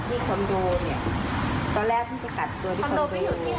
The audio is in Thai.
เพิ่งเปิดมาได้กี่วันครับพี่